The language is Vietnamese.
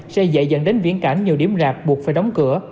sẽ dễ dẫn đến viễn cảnh nhiều điểm rạp buộc phải đóng cửa